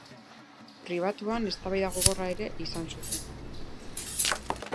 Pribatuan eztabaida gogorra ere izan zuten.